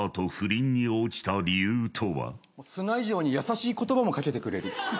砂以上にやさしい言葉もかけてくれる。